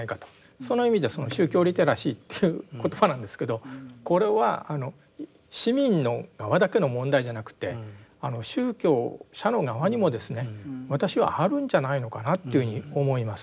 その意味でその宗教リテラシーという言葉なんですけどこれは市民の側だけの問題じゃなくて宗教者の側にもですね私はあるんじゃないのかなというふうに思います。